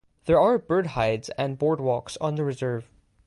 There are bird hides and boardwalks on the reserve.